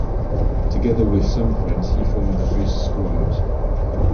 Together with some friends he formed the first squad.